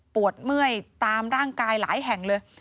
เมื่อยตามร่างกายหลายแห่งเลย